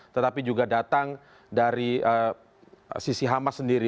tetapi juga datang dari sisi hamas sendiri